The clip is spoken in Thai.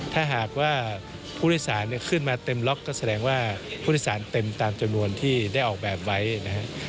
ถ้าหากว่าผู้โดยสารเนี่ยขึ้นมาเต็มล็อกก็แสดงว่าผู้โดยสารเต็มตามจำนวนที่ได้ออกแบบไว้นะครับ